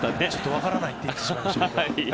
分からないと言ってしまいましたが。